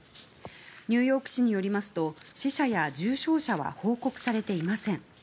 ニューヨーク市によりますと死者や重傷者は報告されていません。